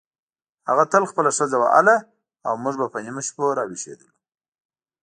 هغه تل خپله ښځه وهله او موږ به په نیمو شپو راویښېدلو.